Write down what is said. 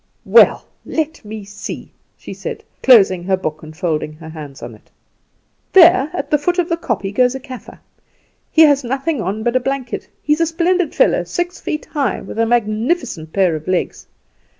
"Well, let me see," she said, closing her book and folding her hands on it. "There at the foot of the kopje goes a Kaffer; he has nothing on but a blanket; he is a splendid fellow six feet high, with a magnificent pair of legs.